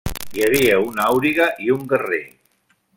Hi havia un auriga i un guerrer.